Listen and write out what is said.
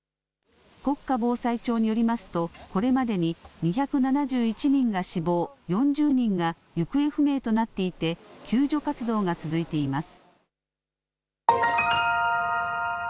国家防災庁によりますとこれまでに２７１人が死亡、４０人が行方不明となっていて救助活動が続いています。